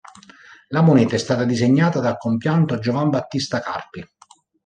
La moneta è stata disegnata dal compianto Giovan Battista Carpi.